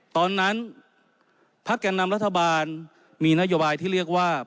ตอนนั้นพักแก่นำรัฐบาลมีนโยบายที่เรียกว่า